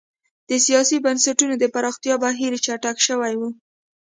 د سیاسي بنسټونو د پراختیا بهیر چټک شوی و.